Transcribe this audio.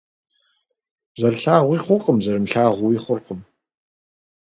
Зэрылъагъуи хъуркъым, зэрымылъагъууи хъуркъым.